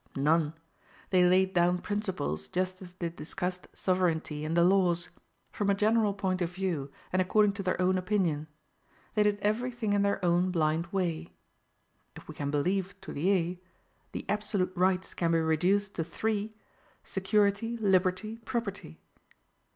None. They laid down principles, just as they discussed sovereignty and the laws; from a general point of view, and according to their own opinion. They did every thing in their own blind way. If we can believe Toullier: "The absolute rights can be reduced to three: SECURITY, LIBERTY, PROPERTY."